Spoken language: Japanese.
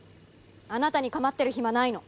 あなたに構ってる暇ないの。